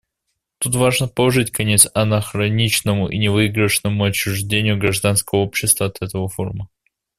Тут важно положить конец анахроничному и невыигрышному отчуждению гражданского общества от этого форума.